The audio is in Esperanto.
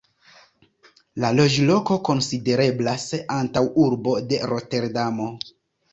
La loĝloko konsidereblas antaŭurbo de Roterdamo.